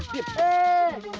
tepas di situ